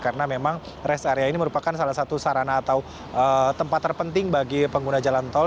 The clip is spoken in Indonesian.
karena memang rest area ini merupakan salah satu sarana atau tempat terpenting bagi pengguna jalan tol